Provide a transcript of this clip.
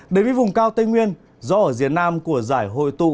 đến với vùng cao tây nguyên do ở diện nam của giải hội tụ